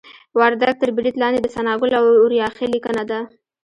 وردګ تر برید لاندې د ثناګل اوریاخیل لیکنه ده